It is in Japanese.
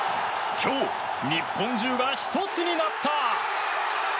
今日、日本中が１つになった！